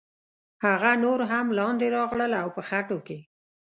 هغه نور هم لاندې راغلل او په خټو کې.